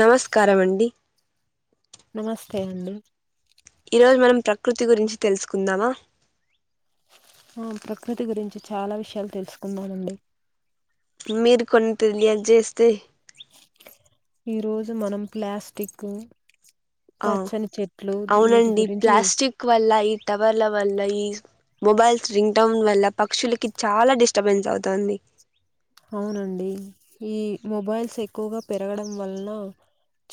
నమస్కారమండి నమస్తే అండి ఈ రోజు మనం ప్రకృతి గురించి తెలుసుకుందామా ఆ ప్రకృతి గురించి చాలా విషయాలు తెలుసుకున్నానండి మీరు కొన్ని తెలియది చేస్తే ఈ రోజు మనం ప్లాస్టిక్ ఆ పచ్చని చెట్లు వీటి అవునండి గురించి ప్లాస్టిక్ వల్ల ఈ టవర్ల వల్ల ఈ మొబైల్స్ రింగ్ టౌన్ వల్ల పక్షులకి చాలా డిస్టర్బెన్స్ అవుతుంది అవునండి. ఈ మొబైల్స్ ఎక్కువగా పెరగడం వలన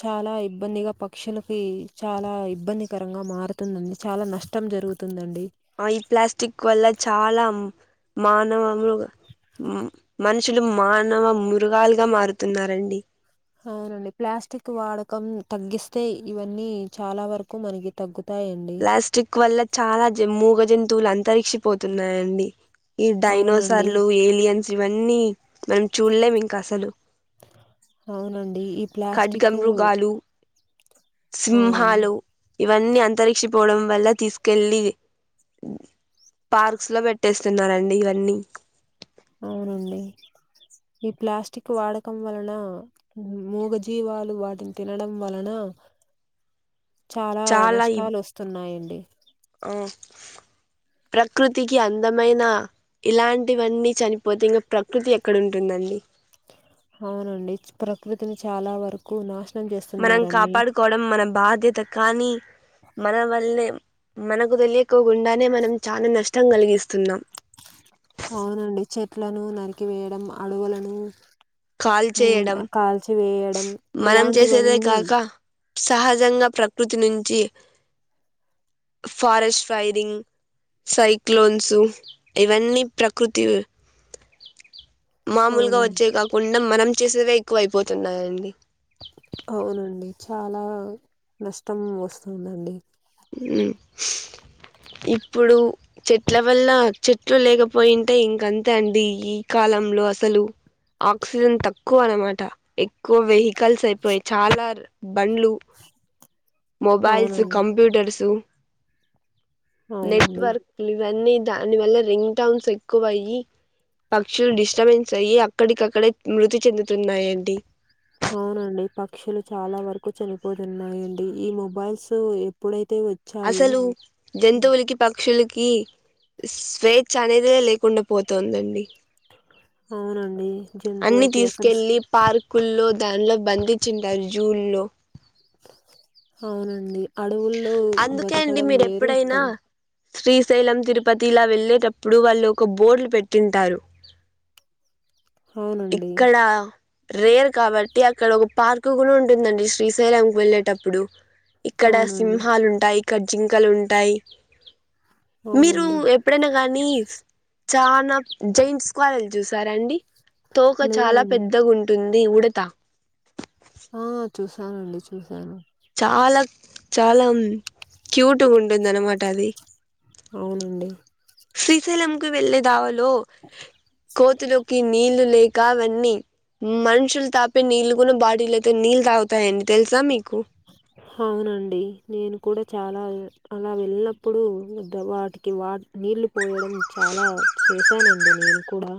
చాలా ఇబ్బందిగా పక్షులకి, చాలా ఇబ్బందికరంగా మారుతుందండి చాలా నష్టం జరుగుతుందండి. ఆ ఈ ప్లాస్టిక్ వల్ల చాలా మానవ మృగ మనుషులు, మానవ మృగాలుగా మారుతున్నారండి. అవునండి. ప్లాస్టిక్ వాడకం తగ్గిస్తే ఇవన్నీ చాలా వరకు మనకి తగ్గుతు ప్లాస్టిక్ వల్ల చాలా జమ్మూ మూగ జంతువు తువులు అంతరించి పోతున్నాయండి ఈ అవునండి డైనోసార్లు ఏలియన్స్ జీవన్ని మనం చూడలేము ఇంకా అసలు అవునండి ఈ ఖడ్గ ప్లాస్టిక్ మృగాలు అవునండి సింహాలు ఇవన్నీ అంతరించి పోవడం వల్ల తీసుకెళ్ళి పార్క్స్ లో పెట్టేస్తున్నండి ఇవన్నీ అవునండి ఈ ప్లాస్టిక్ వాడకం వలన, మూగజీవాలు వాటిని తినడం వలన చాలా నష్టాలు వస్తున్నాయండి. ఆ ప్రకృతికి అందమైన ఇలాంటివన్నీ చనిపోతే ఇంగా ప్రకృతి ఎక్కడ ఉంటుందండి. అవునండి ప్రకృతిని చాలా వరకు నాష్ మనం కాపాడుకోవడం మన బాధ్యత. కానీ మన వల్లే మనకు తెలియకోకుండానే మనం చాలా నష్టం కలిగిస్తున్నాం. అవునండి చెట్లను నరికి వేయడం, అడవులను కాల్ చేయడం హ్ కాల్చీవె యడం మనం చేసేదే ఇలాంటివన్నీ కాక సహజంగా ప్రకృతి నుంచి ఫారెస్ట్ ఫైరింగ్, సైక్లోన్సు ఇవన్నీ ప్రకృతి మామూలుగా అవునండి వచ్చేవి కావు కొన్ని మనం చేసేవే ఎక్కువ అయిపో తున్నాయండి. అవునండి చాలా నష్టం వస్తుందండి. హ్ ఇప్పుడు చెట్ల వల్ల చెట్లు లేకపోయింటే ఇంక అంతే అండి. ఈ కాలంలో అసలు ఆక్సిజన్ తక్కువ అనమాట ఎక్కువ వెహి కల్స్ అయిపోయి చాలా బండ్లు మొబైల్స్, అవునండి కంప్యూ సు అవునండి నెట్వర్క్లు ఇవన్నీ దానివల్ల రింగ్ టోన్స్ ఎక్కువయి, పక్షులు డిస్టబెన్స్ అయ్యి అక్కడికక్కడే మృతి చెందుతున్నాయండి. అవునండి పక్షులు చాలా వరకు చనిపోతున్నాయండి, ఈ మొబైల్స్ ఎప్పుడై అసలు జంతువులకి, పక్షుల కి స్వేచ్ఛ అనేది లేకుండా పోతుందండి. అవునండి జంతువులకి అసలు కూల్లో దానిలో బంధిచింటారు, జూ ల్లో అవునండి అడవుల్లో అందుకే అండి బతకడం మీరు వేరు ఎప్పుడైనా ఇక్కడ శ్రీశైలం, తిరుపతి ఇలా వెళ్ళేటప్పుడు వాళ్ళు ఒక బోర్డులు పెట్టింటారు అవునండి. ఇక్కడ రేర్ కాబట్టి అ ఇక్కడ ఒక పార్క్ కూడా ఉంటుందండి, శ్రీశైలంకి వెళ్ళేటప్పుడు ఇక్కడ అవునండి. సింహాలు ఉంటాయి. ఇంకా జ్జింకలు ఉంటాయి. మీరు అవునండి. ఎప్పుడైనా కానీ చానా జైంట్స్ స్కవేరల్ చూసారండి. తోక చాలా లేదండి. పెద్దగా ఉంటుంది. ది ఉడతా ఆ! చూసానండి చూశాను చాలా చాలా క్యూట్గా ఉంటుంది అనమాట అది. అవునండి శ్రీశైలంకి వెల్లె దావలో కోతిలోకి నీళ్ళు లేక అవన్నీ మనుషులు తాపే నీళ్లు కూడా బాడీలు అయితే నీళ్ళు తాగుతాయండి తెలుసా మీకు అవునండి నేను కూడా చాలా అలా వెళ్ళినప్పుడు వాటికి వా నీళ్ళు పోయడం చాలా చేశానండి నేను కూడా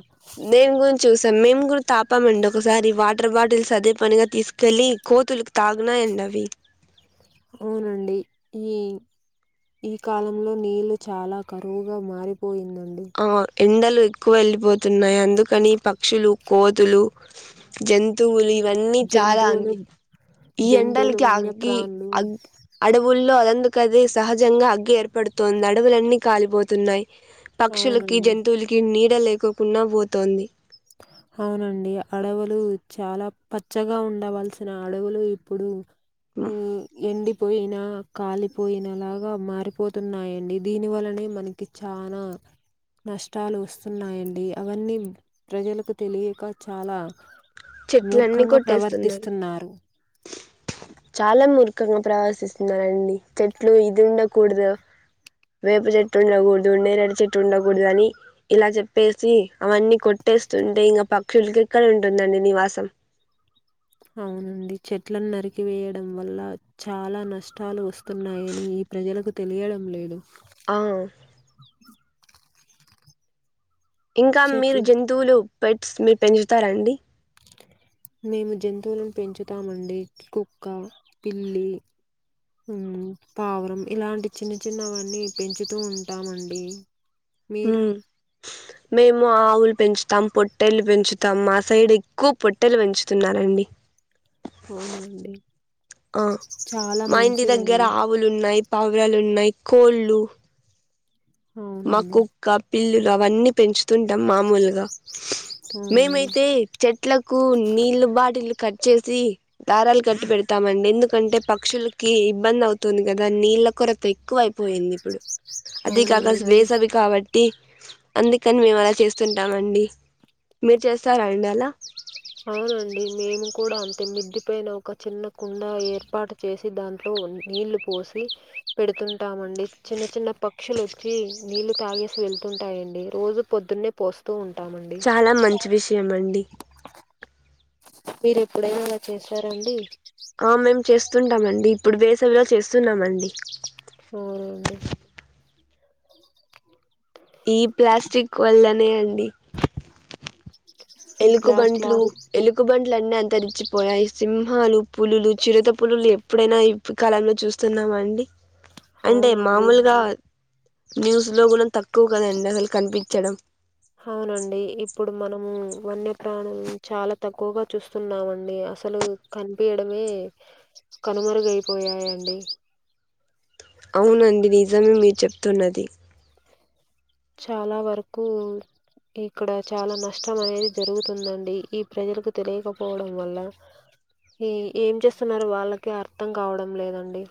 నేను కూడా చూసాం మేము కూడా తాపామండి ఒకసారి వాటర్ బాటిల్స్ అదే పనిగా తీసుకెళ్లి కోతుకి తాగునాయండి అవి అవునండి ఈ ఈ కాలంలో నీళ్లు చాలా కరువుగా మారిపోయిందం అవును ఎండలు ఎక్కువ వెళ్ళిపోతున్నాయి. అందుకని పక్షులు కోతులు జంతువులి ఇవన్నీ చాలా జంతువులు అంది ఈ జంతువులు ఎండలకి అగ్గి వన్యప్రాణులు అగ్ అడవుల్లో అందు కది సహజంగా అగ్గి ఏర్పడుతోంది అడవులన్నీ కాలిపోతున్నాయి. పక్షులకి, అవునండి. జంతువులకి నీడ లే అకోకుండా పోతోంది. అవునండి అడవులు చాలా పచ్చగా ఉండవలసిన అడవులు ఇప్పుడు హు ఎండి పోయినా కాలిపోయినలాగా మారిపోతున్నాయండి. దీని వలనే మనకి చానా నష్టాలు వస్తున్నాయండి. అవన్నీ ప్రజలకు తెలియక చాలా చెట్లన్నీ మూర్ఖంగా కొట్టేస్తున్నారు ప్రవర్తిస్తున్నారు. చాలా మూర్ఖంగా ప్రవసిస్తున్నరండి. చెట్లు ఇది ఉండకూడదు, వేప చెట్టు ఉండకూడదు, నేరేడు చెట్టు ఉండకూడదు. అని ఇలా చెప్పేసి అవన్నీ కొట్టేస్తుంటే ఇంకా పక్షులకి ఎక్కడ ఉంటుందండి. నివాసం అవునండి చెట్లను నరికివేయడం వల్ల చాలా నష్టాలు వస్తున్నాయని ఈ ప్రజలకు తెలియడం లేదు. అవు [unintelligible] ఇంకా మీరు చెట్లు జంతువులు పెట్స్ మీరు పెంచుతారండి మేము జంతువులను పెంచుతామండి. కుక్క, పిల్లి, హు పావురం ఇలాంటి చిన్న చిన్నవన్నీ పెంచుతూ ఉంటామండి. హు మీరు మేము వో ఆవులు పెంచుతాం, పొట్టెలు పెంచుతాం, మా సైడ్ ఎక్కువ పొట్టెలు పెంచుతున్నారండి. అవునండి ఆ చాలా మంచిదండి. వివరాలు ఉన్నాయి. కోళ్ళు మా అవునండి కుక్క, పిల్లులు అవన్నీ పెంచుతుంటాం మామూలుగా అవునండి మేమైతే చెట్లకు నీళ్లు బాటిలు కట్ చేసి దారాలు కట్టి పెడతామండి ఎందుకంటే పక్షులకి ఇబ్బంది అవుతుంది కదా నీళ్ళ కొరత ఎక్కువ అయి పోయింది ఇప్పుడు అదే కాక అవునండి మీ వేసవి కావట్టి ట్టి అందుకని మేము అలా చేస్తుంటామండి మీరు చేస్తారా అండి అలా అవునండి మేము కూడా అంతే మిద్ది పైన ఒక చిన్న కుండా ఏర్పాటు చేసి దాంట్లో నీళ్లు పోసి పెడుతుంటామని అ చిన్న చిన్న పక్క పక్షులు వచ్చి నీళ్లు తాగేసి వెళ్తుంటాయండి రోజు పొద్దున్నే పోస్తూ ఉంటాం. చాలా మంచి విషయం అండి మీరు ఎపుడైనా అలా చేశారండి? ఆ మేము చేస్తుంటామండి ఇప్పుడు వేసవి విలో చేస్తున్నామండి అవునండి ఈ ప్లాస్టిక్ వల్లనే అండి ఈ ఎలుగు ప్లాస్టిక్ బంట్లు ఎలుగు బంట్లు లన్నీ అంతరించిపోయాయి సింహాలు పులులు చిరుత పులులు ఎప్పుడైనా ఇప్పుడు కాలంలో చూస్తున్నామా అండి అంటే అవునండి మామూలుగా న్యూస్ లో గూనా త క్కువగదండి అసలు కనిపించడం వన్యప్రాణం చాలా తక్కువగా చూస్తున్నామండి అసలు కనిపియడమే కనుమరుగైపోయాయండి అవునండి నిజమే మీరు చెప్తున్నది చాలా వరకు ఇక్కడ చాలా నష్టం అనేది జరుగుతుందండి ఈ ప్రజలకు తెలియకపోవడం వల్ల ఈ ఏం చేస్తున్నారు వాళ్ళకి అర్థం కావడం లేదండి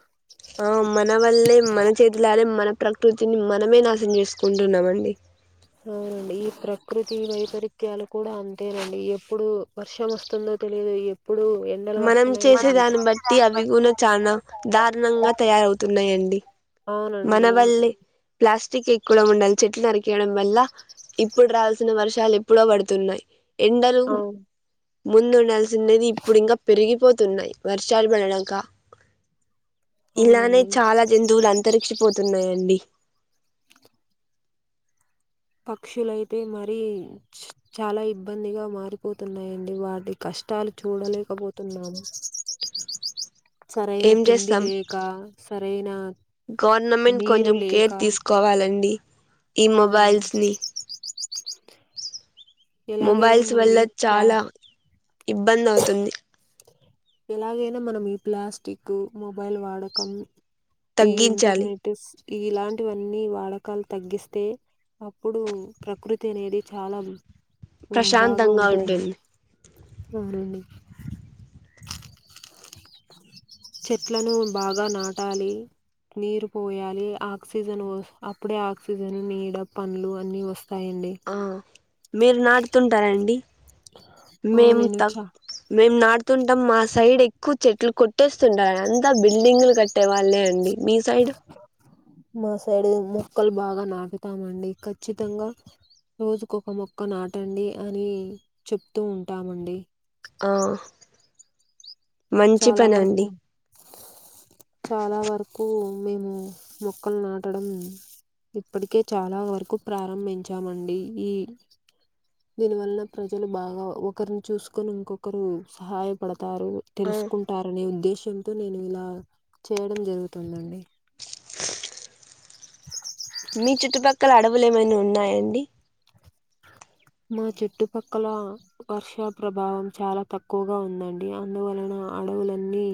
ఆ మన వల్లే మన చేతిలాలే మన ప్రకృతిని మనమే నాశనం చేసుకుంటున్నామండి అవునండి ఈ ప్రకృతి వైపరీత్యాలు కూడా అంతేనండి ఎప్పుడు వర్షం వస్తుందో తెలియదు ఎప్పుడు ఎండలు మనం వస్తున్నాయో చేసే మనం దాన్ని తెలియదు చేసే బట్టి దాన్ని అవి గున చానా అది కూడా చాలా దారుణంగా తయారవుతున్నాయండి మన అవునండి వల్లే ప్లాస్టిక్ కూడా ఉండాలి చెట్లు నరి చేయడం వల్ల ఇప్పుడు రావాల్సిన వర్షం చాలా ఎప్పుడో పడుతున్నాయ్ ఎండలూ అవును ముందు ఉందాల్సిండేది ఇప్పుడు ఇంకా పెరిగిపోతున్నాయి వర్షాలు పడనాక ఇలానే అవునండి చాలా జంతువులు అంత అంతరిక్షిపోతున్నాయండి పక్షులయితే మరి చాలా ఇబ్బందిగా మారిపోతున్నాయండి వాటి కష్టాలు చూడలేకపోతున్నాను. సరైన ఏం తిండి చేస్తాం లేక సరైన గవర్నమెంట్ నీరు కొంచెం లేక కేర్ తీసుకోవాలండి ఈ అవునండి మొబైల్స్ని ఎలాగైనా మొబైల్స్ మనం వల్ల ఈ ప్లా చాలా ఇబ్బంది అవుతుంది ఎలాగైనా మనం ఈ ప్లాస్టిక్ మొబైల్ వాడకం ఈ తగ్గించాలి ఇంటంటర్నెట్ ఇలాంటివన్నీ వాడకాలు తగ్గిస్తే అప్పుడు ప్రకృతి అనేది చాలా ఉమ్, బాగా ప్రశాంతంగా ఉంటుంది [inaudible] చెట్లను బాగా నాటాలి నీరు పోయాలి ఆక్సిజన్ అప్పుడే ఆక్సిజన్ నీడ పనులు అన్ని వస్తా ఆ మీరు నాటుతుంటారండి ఆ మేము నేను త చ మేము నాటు తుంటాం మా సైడ్ ఎక్కువ చెట్లు కొట్టేస్తుంటారు అంతా బిల్డింగ్లు కట్టే వాళ్ళే అండి మీ సైడ్ మా సైడ్ మొక్కలు బాగా నా నాటుతామండి ఖచ్చితంగా రోజుకు ఒక మొక్క నాటండి అని చెప్తూ ఉంటామండి. ఆ మంచి చాలా పని అండి వరకు చాలా వరకు మేము మొక్కలు నాటడం ఇప్పటికే చాలా వరకు ప్రారంభించామండి ఈ దీనివలన ప్రజలు బాగా ఒకరిని చూసుకొని ఇంకొకరు సహాయపడతారు. ఆ తెలుసుకుంటారనే ఉద్దేశంతో నేను ఇలా చేయడం జరుగుతుందండి మీ చుట్టుపక్కల అడవులేమైను ఉన్నాయండి మా చుట్టుపక్కల వర్ష ప్రభావం చాలా తక్కువగా ఉందండి అందువలన అడవులన్నీ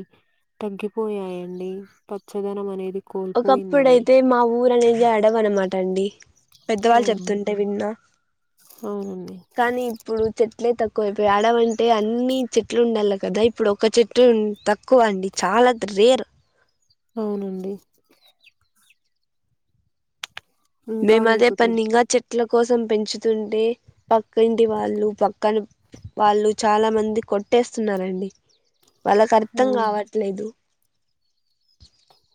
తగ్గిపోయాయండి పచ్చదనం అనేది కోల్పోయిందండి ఒకప్పుడైతే మా ఊరు అనేది అడవి అనమాట అండి పెద్దవాళ్ళు అవును చెప్తుంటే విన్న అవునండి కానీ ఇప్పుడు చె చెట్లే తక్కువ అయిపోయాయ్ అడవంటే అన్ని చెట్లు ఉండాల కదా ఇప్పుడు ఒక చెట్టు తక్కువ అండి చాలా రేర్ అవునండి ఇంకా మేమదే మీకు తెలుసు పన్నీగా చెప్ చెట్ల కోసం పెంచుతుంటే పక్కంటి వాళ్ళు పక్కన వాళ్ళు చాలా మంది కొట్టేస్తున్నారండి. వాళ్ళకు అర్థం కావట్లేదు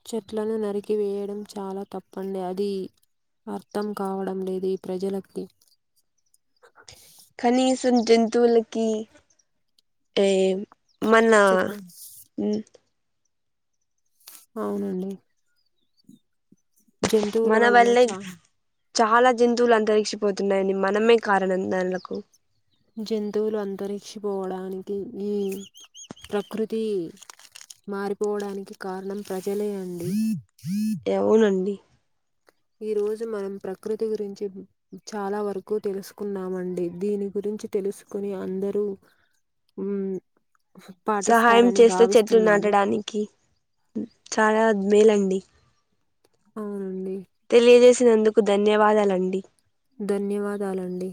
చెట్లను నరికి వేయడం చాలా తప్పండి అది అర్థం కావడం లేదు ఈ ప్రజలకి కనిసం జంతువులకి తేమ్ మన చెప్పండి హ్మ్మ్ అవునండి జంతువుల మన వలన వల్లే చానా చాలా జంతువులు అంతరిక్షపోతున్నాయని మనమే కారణం దానలకు జంతువులు అంతరిక్షపోవడానికి ఈ ప్రకృతి మారిపోవడానికి కారణం ప్రజలే అండి యావునండి ఈ రోజు మనం ప్రకృతి గురించి చాలా వరకు తెలుసుకున్నామండి దీని గురించి తెలుసుకుని అందరూ హామ్ సహాయం చేస్తే చెట్లు నాటడానికి చాలా మేలండి డి అవునండి వచ్చినందుకు ధన్యవాదాలండి ధన్యవాదాలండి